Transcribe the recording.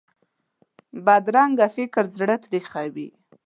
بدرنګه فکر زړه تریخوي